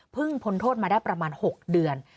พ้นโทษมาได้ประมาณ๖เดือน